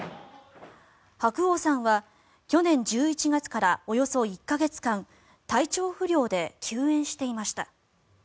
白鸚さんは去年１１月からおよそ１か月間体調不良で休演していました。